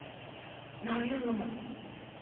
何やの？